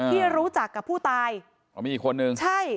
ที่รู้จักกับผู้ตายอ๋อมีอีกคนนึงใช่